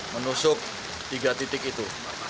menusuk tiga titik itu